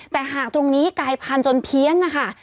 แต่หากตรงนี้กายพันธุจนเพี้ยนนะคะ